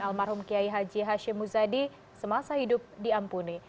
almarhum kiai haji hashim muzadi semasa hidup diampuni